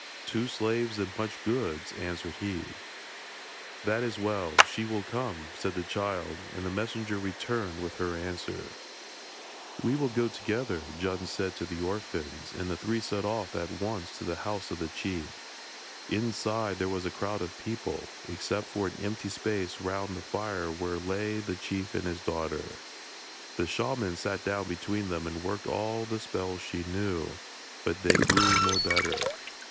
'Two slaves and much goods,' answered he. 'That is well; she will come,' said the child, and the messenger returned with her answer. 'We will go together,' Djun said to the orphans, and the three set off at once to the house of the chief. Inside, there was a crowd of people, except for an empty space round the fire where lay the chief and his daughter. The shaman sat down between them and worked all the spells she knew, but they grew no better.